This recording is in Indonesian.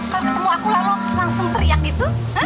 kalo ketemu aku lah lo langsung teriak gitu